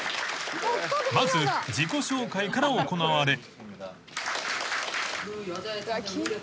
［まず自己紹介から行われ］